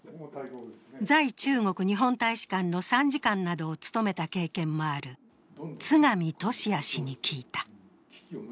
在中国日本大使館の参事官などを務めた経験もある津上俊哉氏に聞いた。